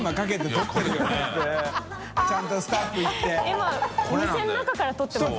今お店の中から撮ってますよね。